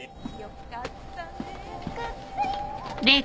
よかったよ